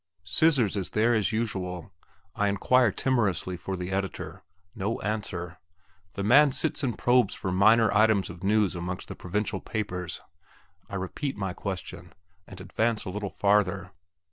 "Scissors" is there as usual. I inquire timorously for the editor. No answer. The man sits and probes for minor items of news amongst the provincial papers. I repeat my question, and advance a little farther.